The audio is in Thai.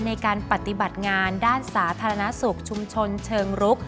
ในการปฏิบัติงานด้านสาธารณสุขชุมชนเชิงรุก